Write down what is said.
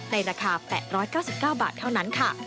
ในราคา๘๙๙บาทเท่านั้นค่ะ